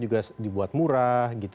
juga dibuat murah